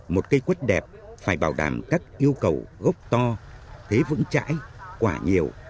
một cây quất đẹp phải bảo đảm các yêu cầu gốc to thế vững chãi quả nhiều